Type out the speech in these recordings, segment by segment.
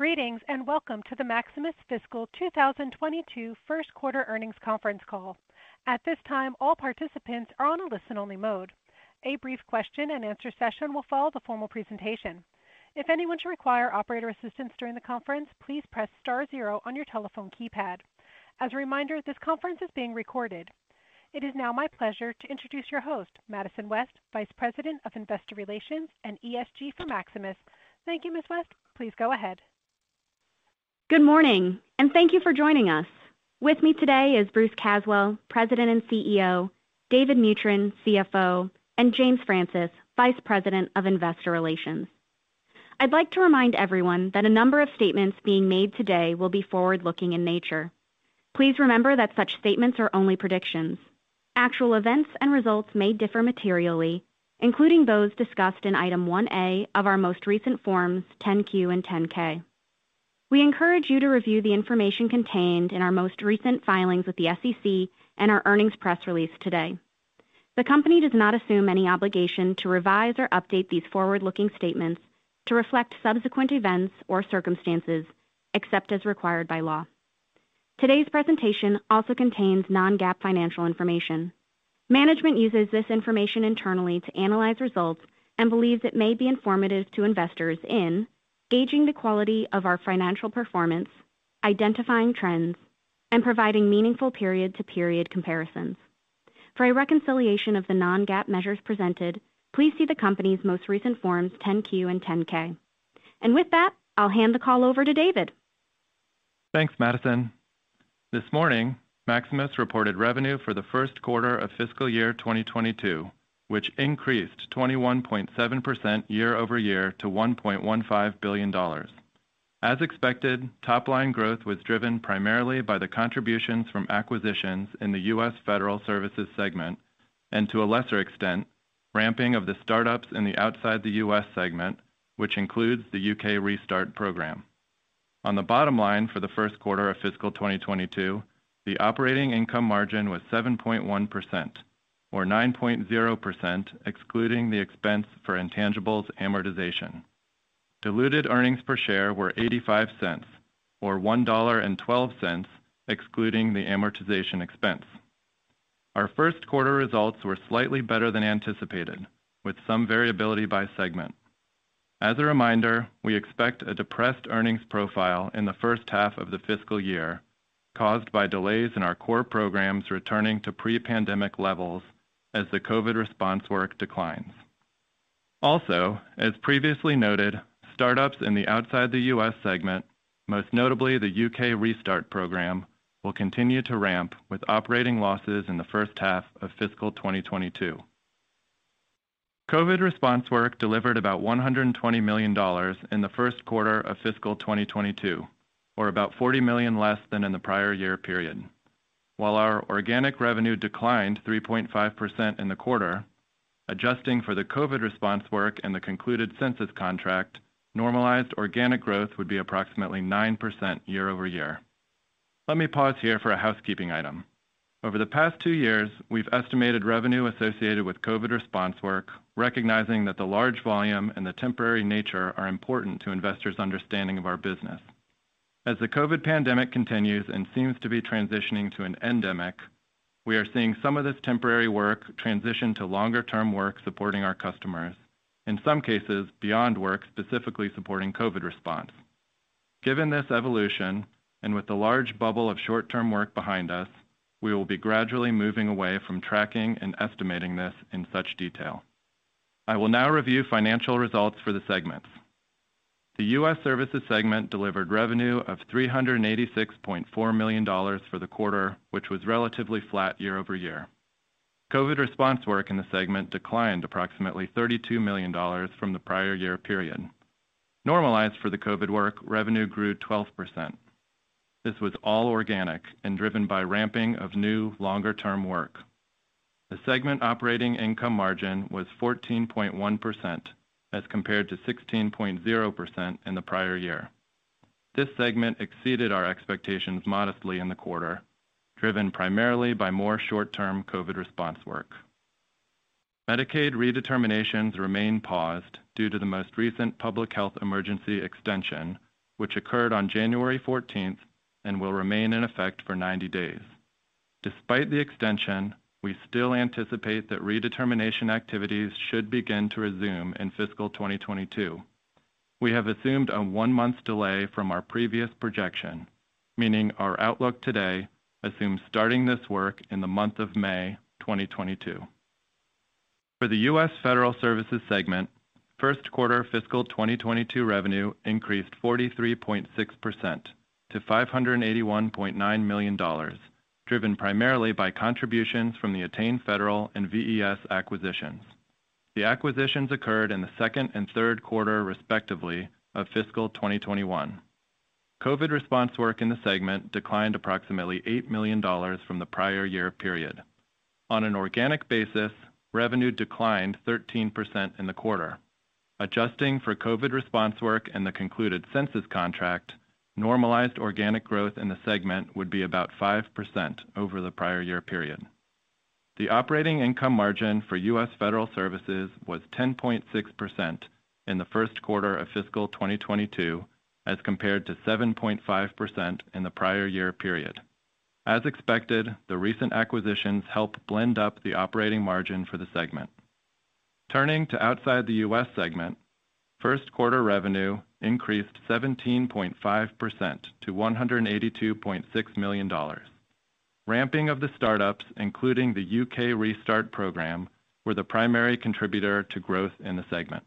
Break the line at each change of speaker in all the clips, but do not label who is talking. Greetings, and welcome to the Maximus Fiscal 2022 first quarter earnings conference call. At this time, all participants are on a listen-only mode. A brief question and answer session will follow the formal presentation. If anyone should require operator assistance during the conference, please press star zero on your telephone keypad. As a reminder, this conference is being recorded. It is now my pleasure to introduce your host, Madison West, Vice President of Investor Relations and ESG for Maximus. Thank you, Ms. West. Please go ahead.
Good morning, and thank you for joining us. With me today is Bruce Caswell, President and CEO, David Mutryn, CFO, and James Francis, Vice President of Investor Relations. I'd like to remind everyone that a number of statements being made today will be forward-looking in nature. Please remember that such statements are only predictions. Actual events and results may differ materially, including those discussed in Item 1A of our most recent Form 10-Q and Form 10-K. We encourage you to review the information contained in our most recent filings with the SEC and our earnings press release today. The company does not assume any obligation to revise or update these forward-looking statements to reflect subsequent events or circumstances except as required by law. Today's presentation also contains non-GAAP financial information. Management uses this information internally to analyze results and believes it may be informative to investors in gauging the quality of our financial performance, identifying trends, and providing meaningful period-to-period comparisons. For a reconciliation of the non-GAAP measures presented, please see the company's most recent Form 10-Q and Form 10-K. With that, I'll hand the call over to David.
Thanks, Madison. This morning, Maximus reported revenue for the first quarter of fiscal year 2022, which increased 21.7% year-over-year to $1.15 billion. As expected, top-line growth was driven primarily by the contributions from acquisitions in the U.S. Federal Services segment, and to a lesser extent, ramping of the startups in the outside the U.S. segment, which includes the Restart Programme program. On the bottom line for the first quarter of fiscal 2022, the operating income margin was 7.1% or 9.0% excluding the expense for intangibles amortization. Diluted earnings per share were $0.85 or $1.12 excluding the amortization expense. Our first quarter results were slightly better than anticipated, with some variability by segment. As a reminder, we expect a depressed earnings profile in the first half of the fiscal year caused by delays in our core programs returning to pre-pandemic levels as the COVID response work declines. Also, as previously noted, startups in the Outside the U.S. segment, most notably the Restart Programme program, will continue to ramp with operating losses in the first half of fiscal 2022. COVID response work delivered about $120 million in the first quarter of fiscal 2022 or about $40 million less than in the prior year period. While our organic revenue declined 3.5% in the quarter, adjusting for the COVID response work and the concluded census contract, normalized organic growth would be approximately 9% year-over-year. Let me pause here for a housekeeping item. Over the past two years, we've estimated revenue associated with COVID response work, recognizing that the large volume and the temporary nature are important to investors' understanding of our business. As the COVID pandemic continues and seems to be transitioning to an endemic, we are seeing some of this temporary work transition to longer-term work supporting our customers, in some cases beyond work specifically supporting COVID response. Given this evolution, and with the large bubble of short-term work behind us, we will be gradually moving away from tracking and estimating this in such detail. I will now review financial results for the segments. The U.S. Services segment delivered revenue of $386.4 million for the quarter, which was relatively flat year-over-year. COVID response work in the segment declined approximately $32 million from the prior year period. Normalized for the COVID work, revenue grew 12%. This was all organic and driven by ramping of new longer-term work. The segment operating income margin was 14.1% as compared to 16.0% in the prior year. This segment exceeded our expectations modestly in the quarter, driven primarily by more short-term COVID response work. Medicaid redeterminations remain paused due to the most recent public health emergency extension, which occurred on January 14 and will remain in effect for 90 days. Despite the extension, we still anticipate that redetermination activities should begin to resume in fiscal 2022. We have assumed a one-month delay from our previous projection, meaning our outlook today assumes starting this work in the month of May 2022. For the U.S. Federal Services segment, first quarter fiscal 2022 revenue increased 43.6% to $581.9 million, driven primarily by contributions from the Attain Federal and VES acquisitions. The acquisitions occurred in the second and third quarter, respectively, of fiscal 2021. COVID response work in the segment declined approximately $8 million from the prior year period. On an organic basis, revenue declined 13% in the quarter. Adjusting for COVID response work and the concluded census contract, normalized organic growth in the segment would be about 5% over the prior year period. The operating income margin for U.S. Federal Services was 10.6% in the first quarter of fiscal 2022, as compared to 7.5% in the prior year period. As expected, the recent acquisitions help blend up the operating margin for the segment. Turning to Outside the U.S. Segment, first quarter revenue increased 17.5% to $182.6 million. Ramping of the startups, including the Restart Programme, were the primary contributor to growth in the segment.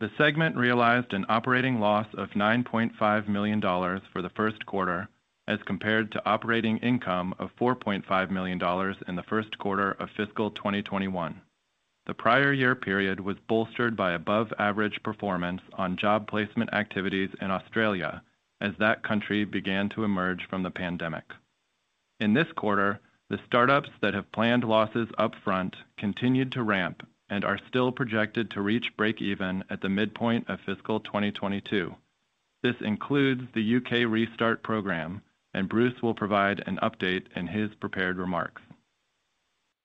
The segment realized an operating loss of $9.5 million for the first quarter as compared to operating income of $4.5 million in the first quarter of fiscal 2021. The prior year period was bolstered by above average performance on job placement activities in Australia as that country began to emerge from the pandemic. In this quarter, the startups that have planned losses upfront continued to ramp and are still projected to reach break even at the midpoint of fiscal 2022. This includes the Restart Programme, and Bruce will provide an update in his prepared remarks.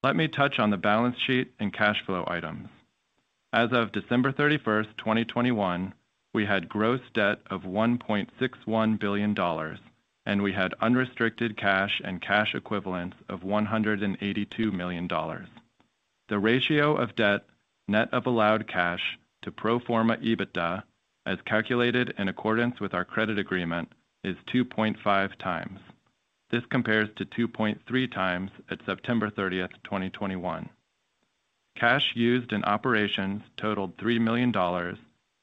Let me touch on the balance sheet and cash flow items. As of December 31, 2021, we had gross debt of $1.61 billion, and we had unrestricted cash and cash equivalents of $182 million. The ratio of debt net of allowed cash to pro forma EBITDA as calculated in accordance with our credit agreement is 2.5x. This compares to 2.3x at September 30, 2021. Cash used in operations totaled $3 million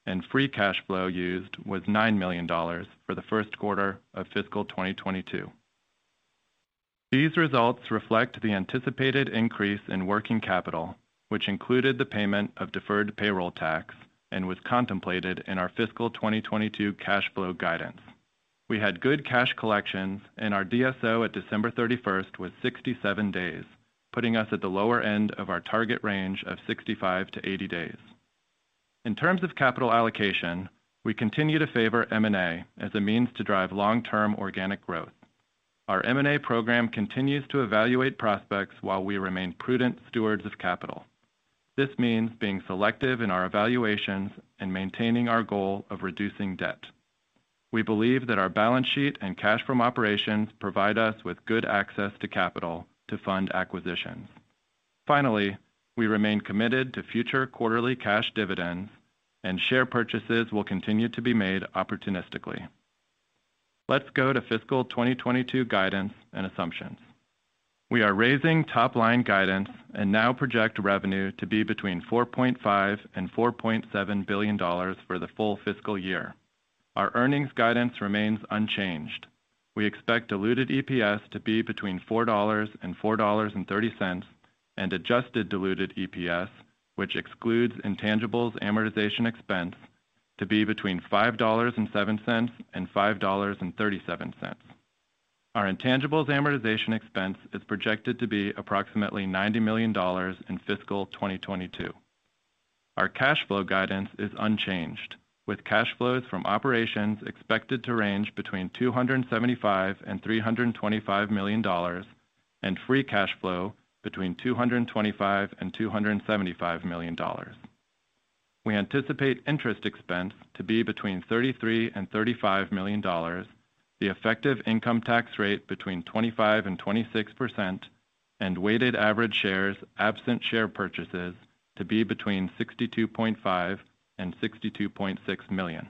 and free cash flow used was $9 million for the first quarter of fiscal 2022. These results reflect the anticipated increase in working capital, which included the payment of deferred payroll tax and was contemplated in our fiscal 2022 cash flow guidance. We had good cash collections, and our DSO at December 31 was 67 days, putting us at the lower end of our target range of 65-80 days. In terms of capital allocation, we continue to favor M&A as a means to drive long-term organic growth. Our M&A program continues to evaluate prospects while we remain prudent stewards of capital. This means being selective in our evaluations and maintaining our goal of reducing debt. We believe that our balance sheet and cash from operations provide us with good access to capital to fund acquisitions. Finally, we remain committed to future quarterly cash dividends, and share purchases will continue to be made opportunistically. Let's go to fiscal 2022 guidance and assumptions. We are raising top line guidance and now project revenue to be between $4.5 billion-$4.7 billion for the full fiscal year. Our earnings guidance remains unchanged. We expect diluted EPS to be between $4.00 and $4.30, and adjusted diluted EPS, which excludes intangibles amortization expense to be between $5.07 and $5.37. Our intangibles amortization expense is projected to be approximately $90 million in fiscal 2022. Our cash flow guidance is unchanged, with cash flows from operations expected to range between $275-$325 million and free cash flow between $225-$275 million. We anticipate interest expense to be between $33-$35 million, the effective income tax rate between 25%-26%, and weighted average shares absent share purchases to be between 62.5-62.6 million.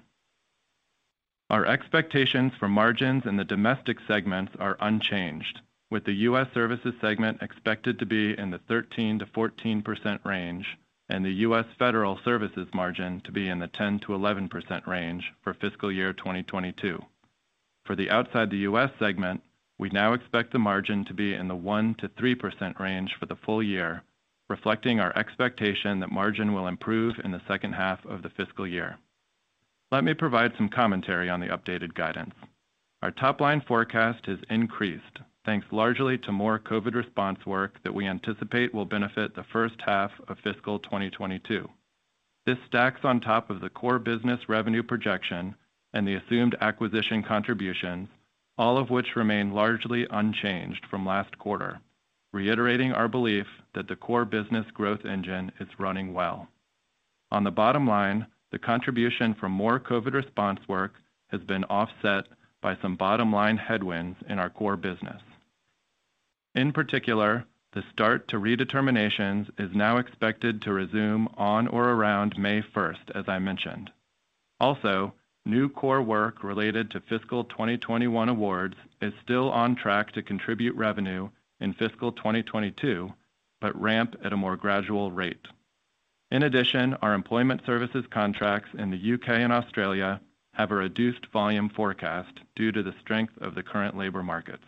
Our expectations for margins in the domestic segments are unchanged, with the U.S. Services segment expected to be in the 13%-14% range and the U.S. Federal Services margin to be in the 10%-11% range for fiscal year 2022. For the outside the U.S. segment, we now expect the margin to be in the 1%-3% range for the full year, reflecting our expectation that margin will improve in the second half of the fiscal year. Let me provide some commentary on the updated guidance. Our top line forecast has increased, thanks largely to more COVID response work that we anticipate will benefit the first half of fiscal 2022. This stacks on top of the core business revenue projection and the assumed acquisition contributions, all of which remain largely unchanged from last quarter, reiterating our belief that the core business growth engine is running well. On the bottom line, the contribution from more COVID response work has been offset by some bottom-line headwinds in our core business. In particular, the start to redeterminations is now expected to resume on or around May 1, as I mentioned. Also, new core work related to fiscal 2021 awards is still on track to contribute revenue in fiscal 2022, but ramp at a more gradual rate. In addition, our employment services contracts in the U.K. and Australia have a reduced volume forecast due to the strength of the current labor markets.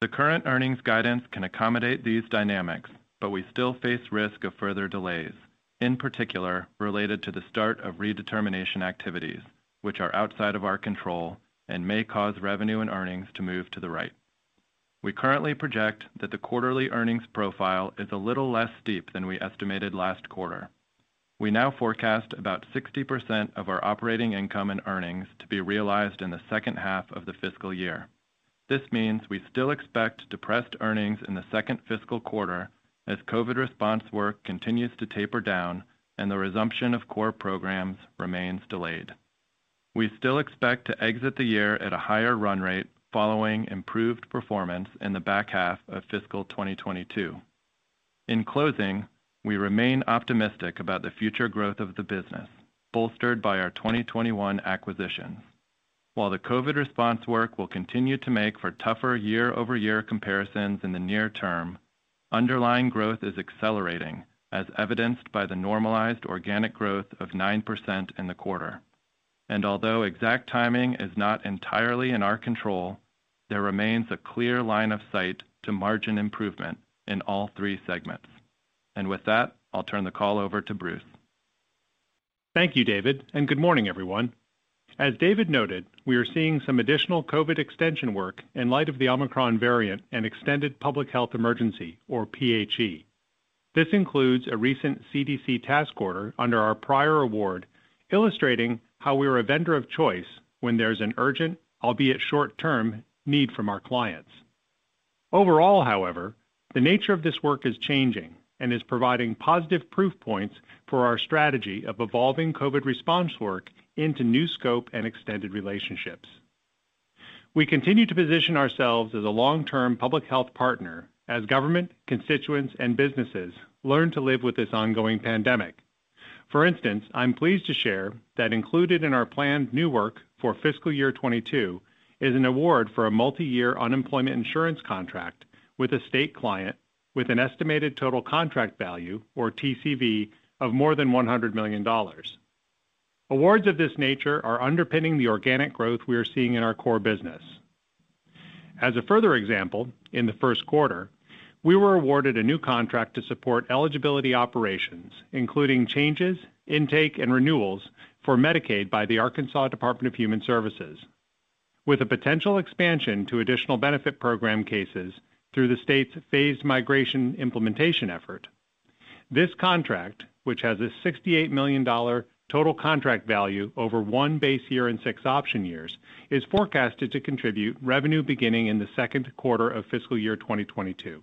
The current earnings guidance can accommodate these dynamics, but we still face risk of further delays, in particular related to the start of redetermination activities which are outside of our control and may cause revenue and earnings to move to the right. We currently project that the quarterly earnings profile is a little less steep than we estimated last quarter. We now forecast about 60% of our operating income and earnings to be realized in the second half of the fiscal year. This means we still expect depressed earnings in the second fiscal quarter as COVID response work continues to taper down and the resumption of core programs remains delayed. We still expect to exit the year at a higher run rate following improved performance in the back half of fiscal 2022. In closing, we remain optimistic about the future growth of the business, bolstered by our 2021 acquisitions. While the COVID response work will continue to make for tougher year-over-year comparisons in the near term, underlying growth is accelerating, as evidenced by the normalized organic growth of 9% in the quarter. Although exact timing is not entirely in our control, there remains a clear line of sight to margin improvement in all three segments. With that, I'll turn the call over to Bruce.
Thank you, David, and good morning, everyone. As David noted, we are seeing some additional COVID extension work in light of the Omicron variant and extended public health emergency or PHE. This includes a recent CDC task order under our prior award, illustrating how we are a vendor of choice when there's an urgent, albeit short-term, need from our clients. Overall, however, the nature of this work is changing and is providing positive proof points for our strategy of evolving COVID response work into new scope and extended relationships. We continue to position ourselves as a long-term public health partner as government, constituents, and businesses learn to live with this ongoing pandemic. For instance, I'm pleased to share that included in our planned new work for FY 2022 is an award for a multi-year unemployment insurance contract with a state client with an estimated total contract value, or TCV, of more than $100 million. Awards of this nature are underpinning the organic growth we are seeing in our core business. As a further example, in the first quarter, we were awarded a new contract to support eligibility operations, including changes, intake, and renewals for Medicaid by the Arkansas Department of Human Services with a potential expansion to additional benefit program cases through the state's phased migration implementation effort. This contract, which has a $68 million total contract value over 1 base year and six option years, is forecasted to contribute revenue beginning in the second quarter of FY 2022.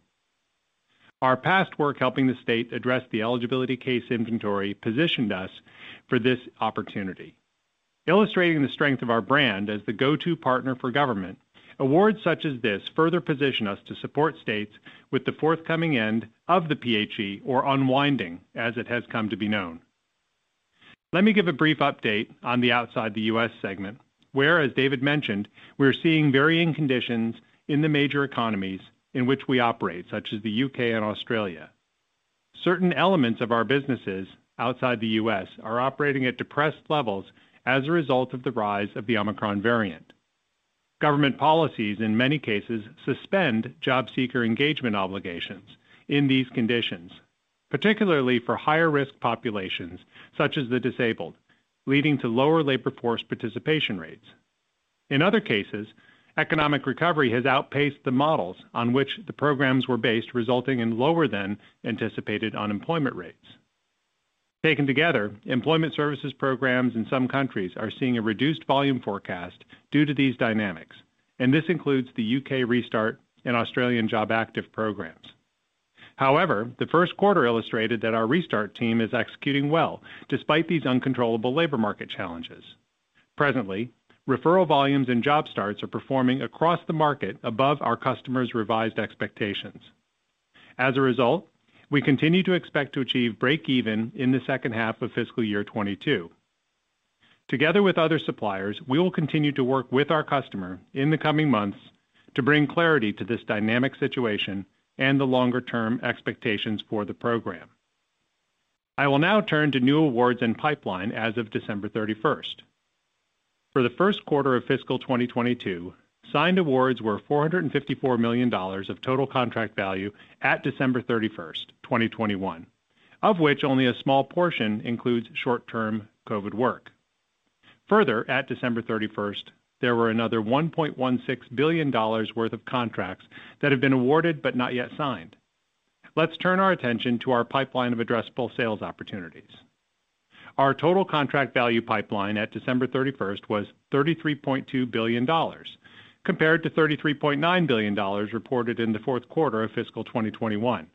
Our past work helping the state address the eligibility case inventory positioned us for this opportunity. Illustrating the strength of our brand as the go-to partner for government, awards such as this further position us to support states with the forthcoming end of the PHE or unwinding as it has come to be known. Let me give a brief update on the outside the U.S. segment, where, as David mentioned, we're seeing varying conditions in the major economies in which we operate, such as the U.K. and Australia. Certain elements of our businesses outside the U.S. are operating at depressed levels as a result of the rise of the Omicron variant. Government policies in many cases suspend job seeker engagement obligations in these conditions, particularly for higher-risk populations such as the disabled, leading to lower labor force participation rates. In other cases, economic recovery has outpaced the models on which the programs were based, resulting in lower than anticipated unemployment rates. Taken together, employment services programs in some countries are seeing a reduced volume forecast due to these dynamics, and this includes the UK Restart and Australian jobactive programs. However, the first quarter illustrated that our Restart team is executing well despite these uncontrollable labor market challenges. Presently, referral volumes and job starts are performing across the market above our customers' revised expectations. As a result, we continue to expect to achieve breakeven in the second half of fiscal year 2022. Together with other suppliers, we will continue to work with our customer in the coming months to bring clarity to this dynamic situation and the longer-term expectations for the program. I will now turn to new awards and pipeline as of December 31. For the first quarter of fiscal 2022, signed awards were $454 million of total contract value at December 31, 2021, of which only a small portion includes short-term COVID work. Further, at December 31, there were another $1.16 billion worth of contracts that have been awarded but not yet signed. Let's turn our attention to our pipeline of addressable sales opportunities. Our total contract value pipeline at December 31 was $33.2 billion, compared to $33.9 billion reported in the fourth quarter of fiscal 2021.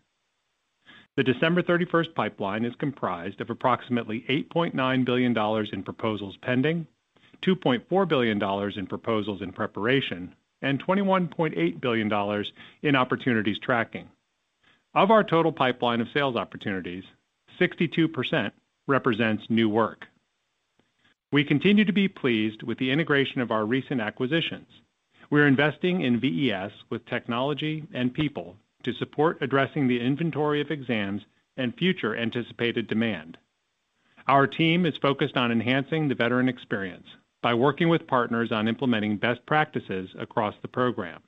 The December 31 pipeline is comprised of approximately $8.9 billion in proposals pending, $2.4 billion in proposals in preparation, and $21.8 billion in opportunities tracking. Of our total pipeline of sales opportunities, 62% represents new work. We continue to be pleased with the integration of our recent acquisitions. We're investing in VES with technology and people to support addressing the inventory of exams and future anticipated demand. Our team is focused on enhancing the veteran experience by working with partners on implementing best practices across the program.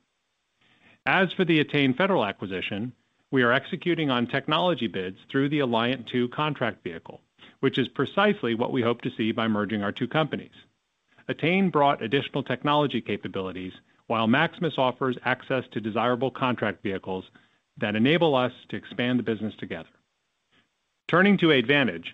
As for the Attain Federal acquisition, we are executing on technology bids through the Alliant 2 contract vehicle, which is precisely what we hope to see by merging our two companies. Attain brought additional technology capabilities, while Maximus offers access to desirable contract vehicles that enable us to expand the business together. Turning to Aidvantage,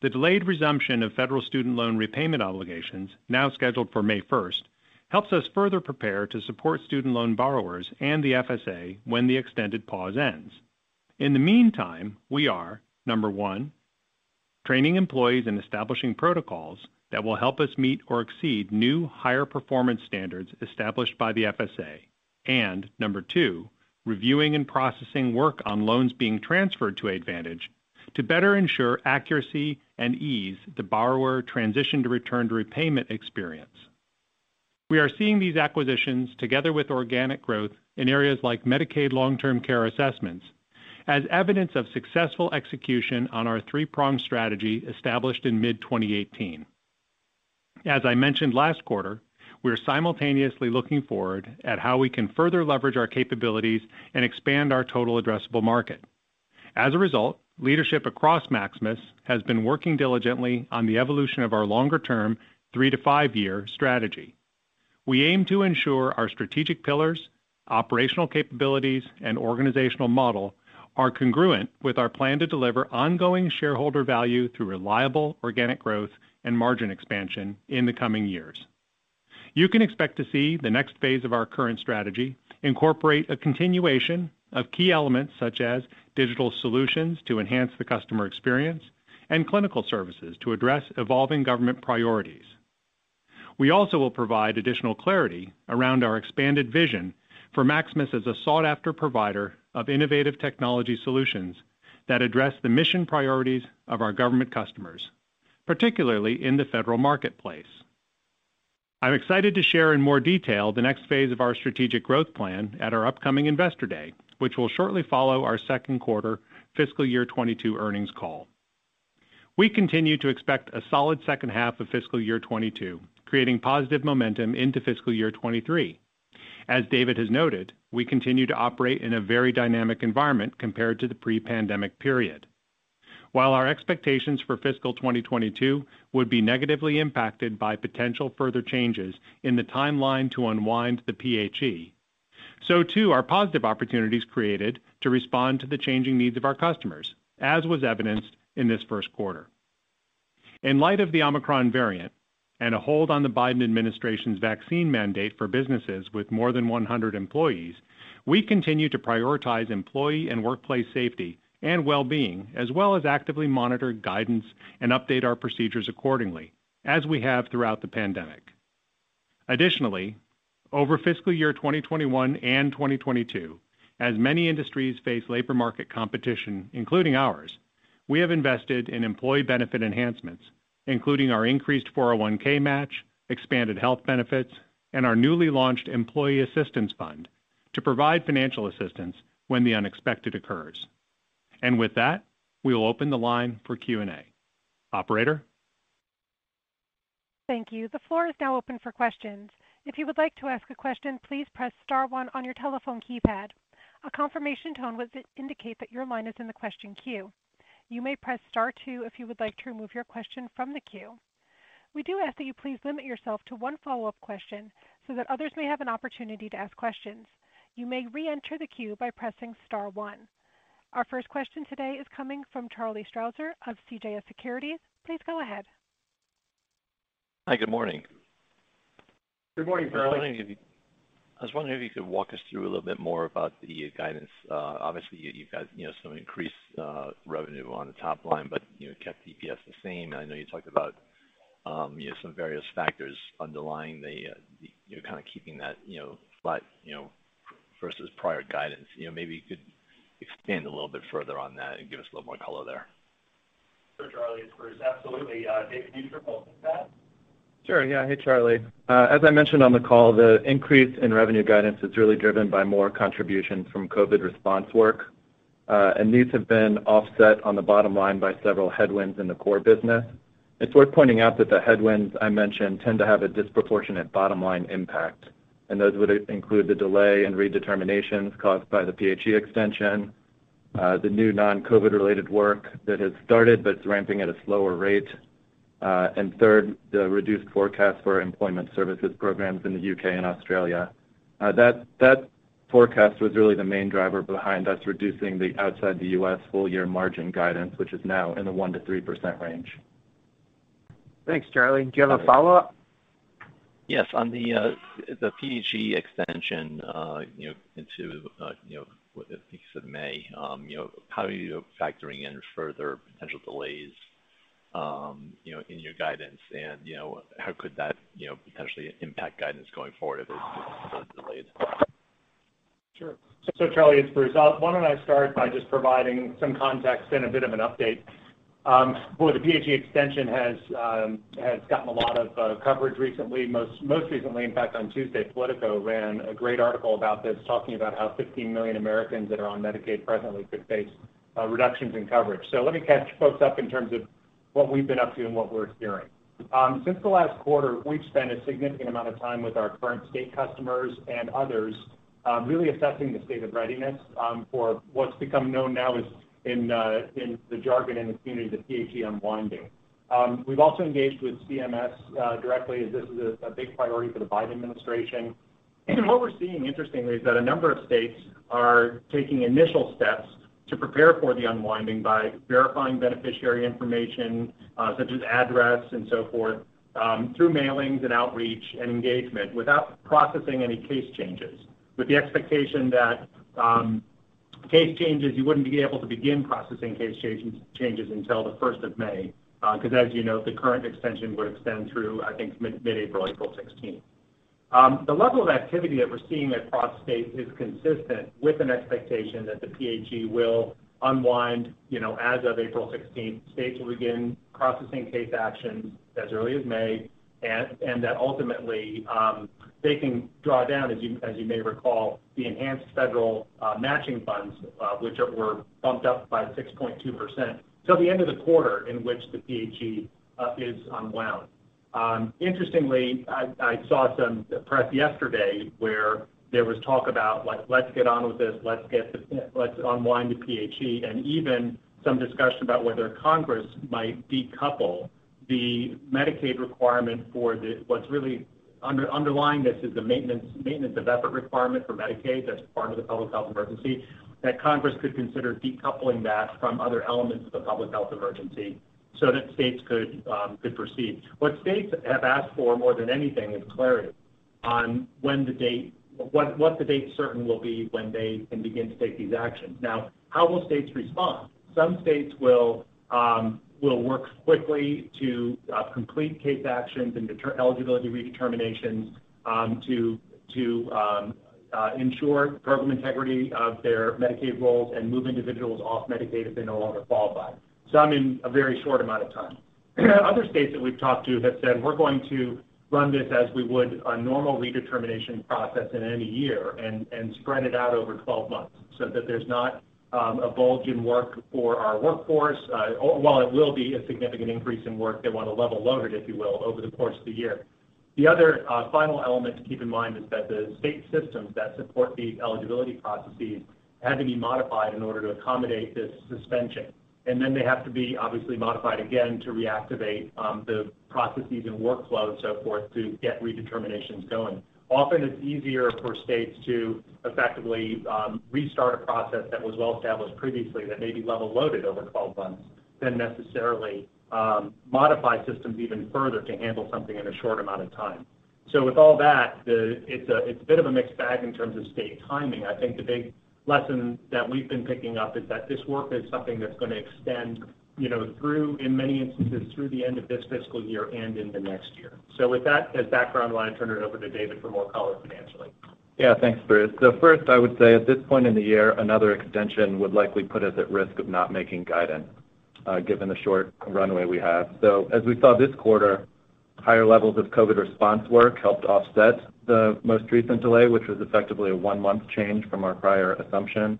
the delayed resumption of federal student loan repayment obligations, now scheduled for May first, helps us further prepare to support student loan borrowers and the FSA when the extended pause ends. In the meantime, we are, number one, training employees and establishing protocols that will help us meet or exceed new higher performance standards established by the FSA. Number two, reviewing and processing work on loans being transferred to Aidvantage to better ensure accuracy and ease the borrower transition to return to repayment experience. We are seeing these acquisitions together with organic growth in areas like Medicaid long-term care assessments as evidence of successful execution on our three-pronged strategy established in mid-2018. As I mentioned last quarter, we are simultaneously looking forward at how we can further leverage our capabilities and expand our total addressable market. As a result, leadership across Maximus has been working diligently on the evolution of our longer-term three- to five-year strategy. We aim to ensure our strategic pillars, operational capabilities, and organizational model are congruent with our plan to deliver ongoing shareholder value through reliable organic growth and margin expansion in the coming years. You can expect to see the next phase of our current strategy incorporate a continuation of key elements such as digital solutions to enhance the customer experience and clinical services to address evolving government priorities. We also will provide additional clarity around our expanded vision for Maximus as a sought-after provider of innovative technology solutions that address the mission priorities of our government customers, particularly in the federal marketplace. I'm excited to share in more detail the next phase of our strategic growth plan at our upcoming Investor Day, which will shortly follow our second quarter fiscal year 2022 earnings call. We continue to expect a solid second half of fiscal year 2022, creating positive momentum into fiscal year 2023. As David has noted, we continue to operate in a very dynamic environment compared to the pre-pandemic period. While our expectations for fiscal 2022 would be negatively impacted by potential further changes in the timeline to unwind the PHE, so too are positive opportunities created to respond to the changing needs of our customers, as was evidenced in this first quarter. In light of the Omicron variant and a hold on the Biden administration's vaccine mandate for businesses with more than 100 employees, we continue to prioritize employee and workplace safety and well-being, as well as actively monitor guidance and update our procedures accordingly as we have throughout the pandemic. Additionally, over fiscal year 2021 and 2022, as many industries face labor market competition, including ours, we have invested in employee benefit enhancements, including our increased 401(k) match, expanded health benefits, and our newly launched employee assistance fund to provide financial assistance when the unexpected occurs. With that, we will open the line for Q&A. Operator.
Thank you. The floor is now open for questions. If you would like to ask a question, please press star one on your telephone keypad. A confirmation tone will indicate that your line is in the question queue. You may press star two if you would like to remove your question from the queue. We do ask that you please limit yourself to one follow-up question so that others may have an opportunity to ask questions. You may re-enter the queue by pressing star one. Our first question today is coming from Charlie Strauzer of CJS Securities. Please go ahead.
Hi, good morning.
Good morning, Charlie.
I was wondering if you could walk us through a little bit more about the guidance. Obviously, you've got, you know, some increased revenue on the top line, but, you know, kept EPS the same. I know you talked about, you know, some various factors underlying the, you know, kind of keeping that, you know, flat, you know, versus prior guidance. You know, maybe you could expand a little bit further on that and give us a little more color there.
Sure, Charlie. It's Bruce. Absolutely. David, can you circle through that?
Sure. Yeah. Hey, Charlie. As I mentioned on the call, the increase in revenue guidance is really driven by more contributions from COVID response work. These have been offset on the bottom line by several headwinds in the core business. It's worth pointing out that the headwinds I mentioned tend to have a disproportionate bottom-line impact, and those would include the delay in redeterminations caused by the PHE extension, the new non-COVID-related work that has started but it's ramping at a slower rate, and third, the reduced forecast for employment services programs in the U.K. and Australia. That forecast was really the main driver behind us reducing the outside the U.S. full year margin guidance, which is now in the 1%-3% range.
Thanks, Charlie. Do you have a follow-up?
Yes. On the PHE extension, you know, into, you know, I think you said May, you know, how are you factoring in further potential delays, you know, in your guidance? You know, how could that, you know, potentially impact guidance going forward if it's further delayed?
Sure. Charlie, it's Bruce. Why don't I start by just providing some context and a bit of an update. Boy, the PHE extension has gotten a lot of coverage recently. Most recently, in fact, on Tuesday, Politico ran a great article about this, talking about how 15 million Americans that are on Medicaid presently could face reductions in coverage. Let me catch folks up in terms of what we've been up to and what we're hearing. Since the last quarter, we've spent a significant amount of time with our current state customers and others, really assessing the state of readiness for what's become known now as in the jargon in the community, the PHE unwinding. We've also engaged with CMS directly as this is a big priority for the Biden administration. What we're seeing interestingly is that a number of states are taking initial steps to prepare for the unwinding by verifying beneficiary information, such as address and so forth, through mailings and outreach and engagement without processing any case changes, with the expectation that you wouldn't be able to begin processing case changes until the first of May, 'cause as you know, the current extension would extend through, I think, mid-April, April 16. The level of activity that we're seeing across states is consistent with an expectation that the PHE will unwind, you know, as of April 16. States will begin processing case actions as early as May and that ultimately they can draw down, as you may recall, the enhanced federal matching funds, which were bumped up by 6.2% till the end of the quarter in which the PHE is unwound. Interestingly, I saw some press yesterday where there was talk about like, let's get on with this, let's unwind the PHE, and even some discussion about whether Congress might decouple the Medicaid requirement for the... What's really underlying this is the maintenance of effort requirement for Medicaid. That's part of the public health emergency that Congress could consider decoupling that from other elements of the public health emergency so that states could proceed. What states have asked for more than anything is clarity on what the date certain will be when they can begin to take these actions. Now, how will states respond? Some states will work quickly to complete case actions and eligibility redeterminations to ensure program integrity of their Medicaid rolls and move individuals off Medicaid if they no longer qualify, some in a very short amount of time. Other states that we've talked to have said, "We're going to run this as we would a normal redetermination process in any year and spread it out over 12 months so that there's not a bulge in work for our workforce." While it will be a significant increase in work, they want to level load it, if you will, over the course of the year. The other final element to keep in mind is that the state systems that support these eligibility processes had to be modified in order to accommodate this suspension. Then they have to be obviously modified again to reactivate the processes and workflow and so forth to get redeterminations going. Often, it's easier for states to effectively restart a process that was well-established previously that may be level loaded over 12 months than necessarily modify systems even further to handle something in a short amount of time. With all that, it's a bit of a mixed bag in terms of state timing. I think the big lesson that we've been picking up is that this work is something that's gonna extend, you know, through, in many instances, through the end of this fiscal year and into next year. With that as background, why don't I turn it over to David for more color financially.
Yeah. Thanks, Bruce. First, I would say at this point in the year, another extension would likely put us at risk of not making guidance, given the short runway we have. As we saw this quarter, higher levels of COVID response work helped offset the most recent delay, which was effectively a one-month change from our prior assumption.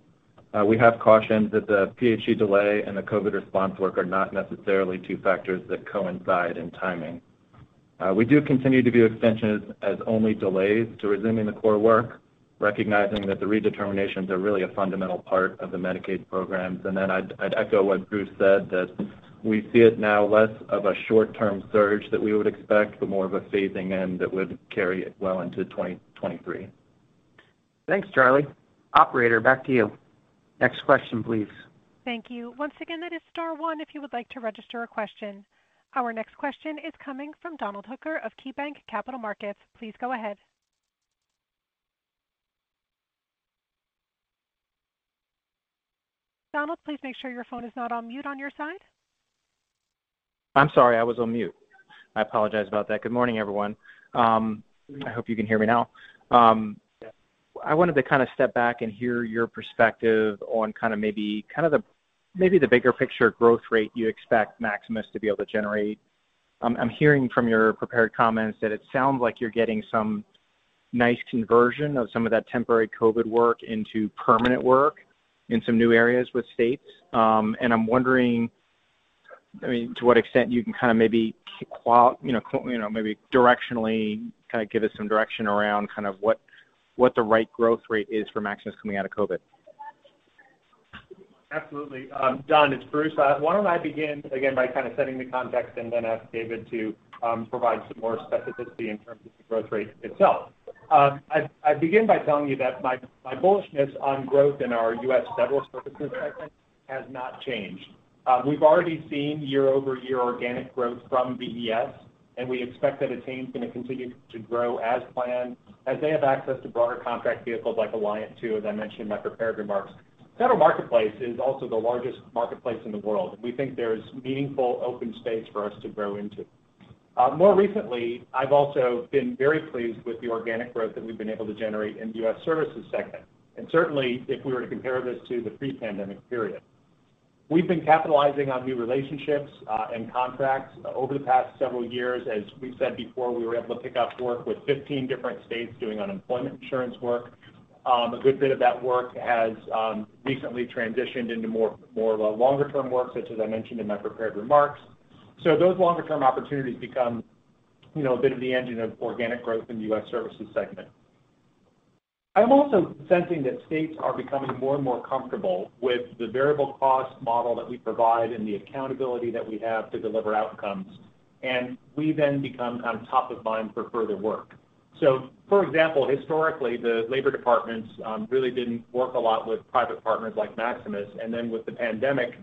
We have cautioned that the PHE delay and the COVID response work are not necessarily two factors that coincide in timing. We do continue to view extensions as only delays to resuming the core work, recognizing that the redeterminations are really a fundamental part of the Medicaid programs. I'd echo what Bruce said that we see it now less of a short-term surge that we would expect, but more of a phasing in that would carry it well into 2023.
Thanks, Charlie. Operator, back to you. Next question, please.
Thank you. Once again, that is star one if you would like to register a question. Our next question is coming from Donald Hooker of KeyBanc Capital Markets. Please go ahead. Donald, please make sure your phone is not on mute on your side.
I'm sorry. I was on mute. I apologize about that. Good morning, everyone. I hope you can hear me now. I wanted to kind of step back and hear your perspective on kind of the bigger picture growth rate you expect Maximus to be able to generate. I'm hearing from your prepared comments that it sounds like you're getting some nice conversion of some of that temporary COVID work into permanent work in some new areas with states. I'm wondering, I mean, to what extent you can kind of maybe directionally kind of give us some direction around kind of what the right growth rate is for Maximus coming out of COVID.
Absolutely. Don, it's Bruce. Why don't I begin again by kind of setting the context and then ask David to provide some more specificity in terms of the growth rate itself. I begin by telling you that my bullishness on growth in our U.S. Federal Services segment has not changed. We've already seen year-over-year organic growth from VES, and we expect that the team's gonna continue to grow as planned as they have access to broader contract vehicles like Alliant two, as I mentioned in my prepared remarks. Federal Marketplace is also the largest marketplace in the world, and we think there's meaningful open space for us to grow into. More recently, I've also been very pleased with the organic growth that we've been able to generate in the U.S. Services segment, and certainly if we were to compare this to the pre-pandemic period. We've been capitalizing on new relationships and contracts over the past several years. As we said before, we were able to pick up work with 15 different states doing unemployment insurance work. A good bit of that work has recently transitioned into more longer-term work, such as I mentioned in my prepared remarks. Those longer-term opportunities become, you know, a bit of the engine of organic growth in the U.S. Services segment. I'm also sensing that states are becoming more and more comfortable with the variable cost model that we provide and the accountability that we have to deliver outcomes, and we then become kind of top of mind for further work. For example, historically, the labor departments really didn't work a lot with private partners like Maximus, and then with the pandemic,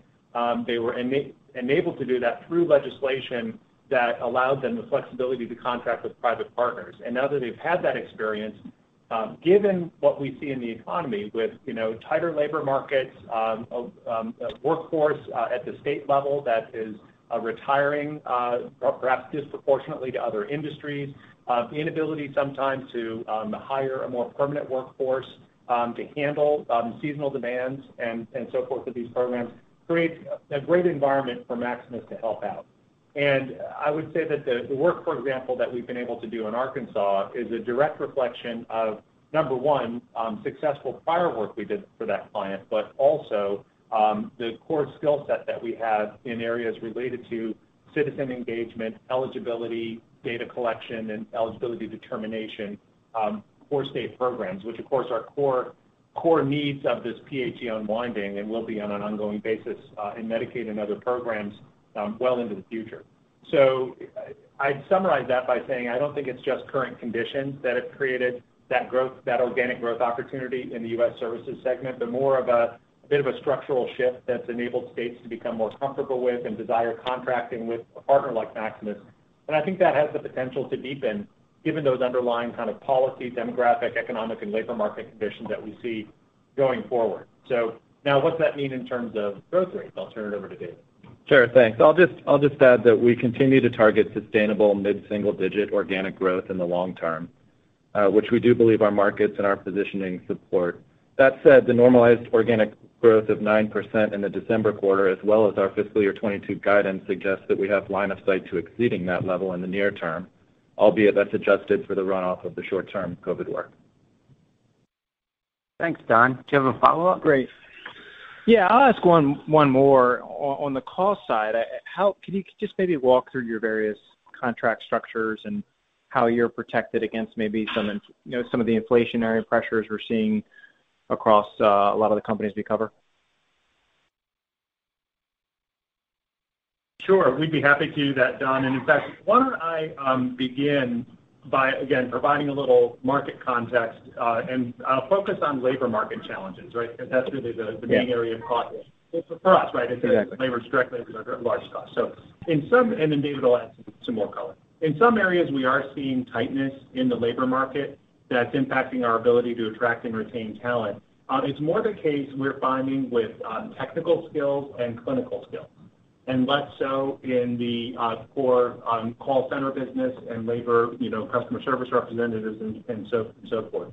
they were enabled to do that through legislation that allowed them the flexibility to contract with private partners. Now that they've had that experience, given what we see in the economy with, you know, tighter labor markets, a workforce at the state level that is retiring, perhaps disproportionately to other industries, the inability sometimes to hire a more permanent workforce to handle seasonal demands and so forth for these programs creates a great environment for Maximus to help out. I would say that the work, for example, that we've been able to do in Arkansas is a direct reflection of, number one, successful prior work we did for that client, but also, the core skill set that we have in areas related to citizen engagement, eligibility, data collection, and eligibility determination, for state programs, which of course are core needs of this PHE unwinding and will be on an ongoing basis, in Medicaid and other programs, well into the future. I'd summarize that by saying I don't think it's just current conditions that have created that growth, that organic growth opportunity in the U.S. Services segment, but more of a bit of a structural shift that's enabled states to become more comfortable with and desire contracting with a partner like Maximus. I think that has the potential to deepen given those underlying kind of policy, demographic, economic, and labor market conditions that we see going forward. Now what's that mean in terms of growth rates? I'll turn it over to David.
Sure. Thanks. I'll just add that we continue to target sustainable mid-single digit organic growth in the long term, which we do believe our markets and our positioning support. That said, the normalized organic growth of 9% in the December quarter as well as our fiscal year 2022 guidance suggests that we have line of sight to exceeding that level in the near term, albeit that's adjusted for the runoff of the short-term COVID work.
Thanks, Don. Do you have a follow-up?
Great. Yeah, I'll ask one more. On the cost side, how could you just maybe walk through your various contract structures and how you're protected against maybe some—you know, some of the inflationary pressures we're seeing across a lot of the companies we cover?
Sure. We'd be happy to do that, Don. In fact, why don't I begin by, again, providing a little market context, and I'll focus on labor market challenges, right? Because that's really the
Yeah
main area of cost for us, right?
Exactly.
Labor is directly a large cost. David will add some more color. In some areas, we are seeing tightness in the labor market that's impacting our ability to attract and retain talent. It's more the case we're finding with technical skills and clinical skills, and less so in the core call center business and labor, you know, customer service representatives and so on and so forth.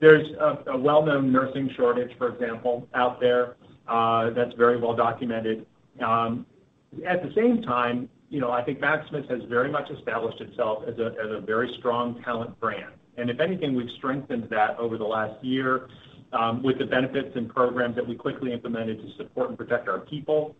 There's a well-known nursing shortage, for example, out there that's very well documented. At the same time, you know, I think Maximus has very much established itself as a very strong talent brand. If anything, we've strengthened that over the last year with the benefits and programs that we quickly implemented to support and protect our people.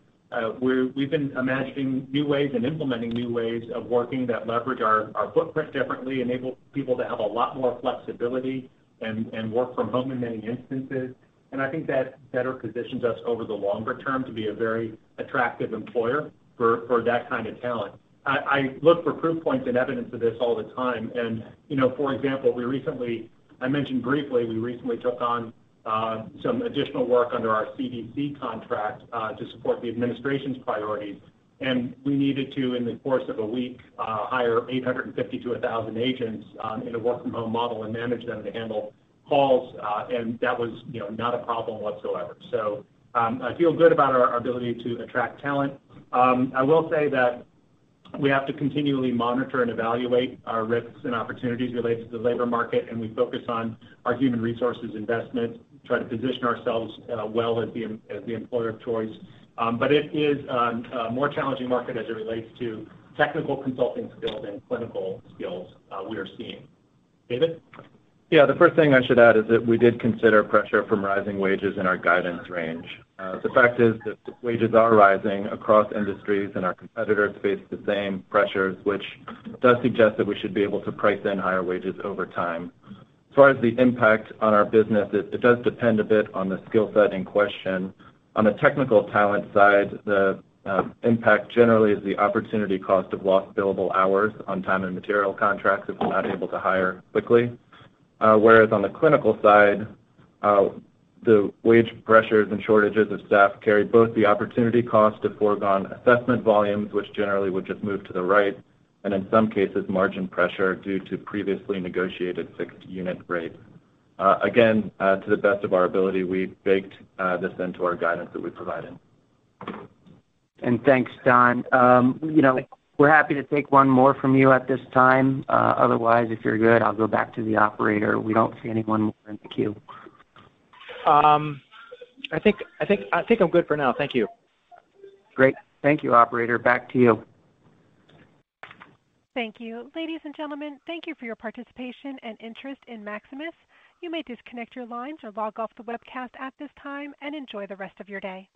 We've been imagining new ways and implementing new ways of working that leverage our footprint differently, enable people to have a lot more flexibility and work from home in many instances. I think that better positions us over the longer term to be a very attractive employer for that kind of talent. I look for proof points and evidence of this all the time. You know, for example, we recently took on some additional work under our CDC contract to support the administration's priorities. We needed to, in the course of a week, hire 850-1,000 agents in a work from home model and manage them to handle calls. That was, you know, not a problem whatsoever. I feel good about our ability to attract talent. I will say that we have to continually monitor and evaluate our risks and opportunities related to the labor market, and we focus on our human resources investment, try to position ourselves well as the employer of choice. It is a more challenging market as it relates to technical consulting skills and clinical skills we are seeing. David?
Yeah. The first thing I should add is that we did consider pressure from rising wages in our guidance range. The fact is that wages are rising across industries and our competitors face the same pressures, which does suggest that we should be able to price in higher wages over time. As far as the impact on our business, it does depend a bit on the skill set in question. On the technical talent side, the impact generally is the opportunity cost of lost billable hours on time and material contracts if we're not able to hire quickly. Whereas on the clinical side, the wage pressures and shortages of staff carry both the opportunity cost of foregone assessment volumes, which generally would just move to the right, and in some cases, margin pressure due to previously negotiated fixed unit rates. Again, to the best of our ability, we've baked this into our guidance that we provided.
Thanks, Don. You know, we're happy to take one more from you at this time. Otherwise, if you're good, I'll go back to the operator. We don't see anyone more in the queue.
I think I'm good for now. Thank you.
Great. Thank you, operator. Back to you.
Thank you. Ladies and gentlemen, thank you for your participation and interest in Maximus. You may disconnect your lines or log off the webcast at this time, and enjoy the rest of your day.